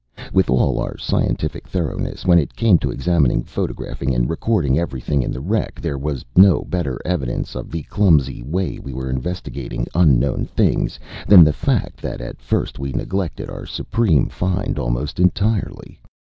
With all our scientific thoroughness, when it came to examining, photographing and recording everything in the wreck, there was no better evidence of the clumsy way we were investigating unknown things than the fact that at first we neglected our supreme find almost entirely.